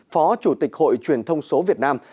phó chủ tịch hội truyền thông số việt nam